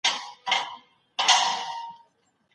ابن خلدون وویل چی ټولني تل بدلیدونکي دي.